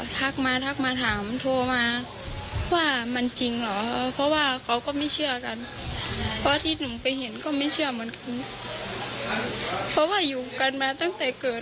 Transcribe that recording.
ทุกทีเห็นแต่ในข่าวไม่คิดว่าจะมาเป็นคนของตัวเอง